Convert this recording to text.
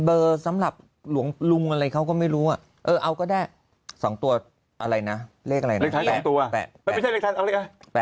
เบอร์สำหรับหลวงอะไรเขาก็ไม่รู้อ่ะเออก็ได้๒ตัวอะไรนะเรียกอะไรนะ